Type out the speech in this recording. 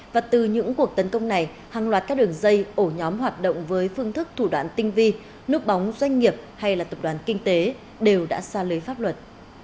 và từ những cuộc tấn công này hàng loạt các đường dây ổ nhóm hoạt động với phương thức thủ đoạn tinh vi núp bóng doanh nghiệp hay là tập đoàn kinh tế đều đã xa lưới pháp luật